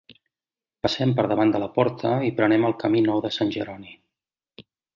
Passem per davant de la porta i prenem el camí nou de Sant Jeroni.